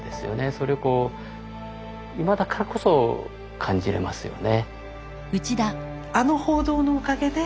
それをこう今だからこそ感じれますよね。